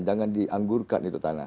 jangan dianggurkan itu tanah